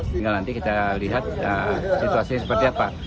tinggal nanti kita lihat situasinya seperti apa